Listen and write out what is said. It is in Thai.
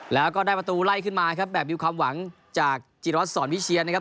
แล้วก็ได้ประตูไล่ขึ้นมาครับแบบมีความหวังจากจิรวัตรสอนวิเชียนนะครับ